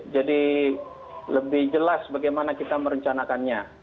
jadi lebih jelas bagaimana kita merencanakannya